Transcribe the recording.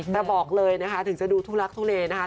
แต่บอกเลยนะคะถึงจะดูทุลักทุเลนะคะ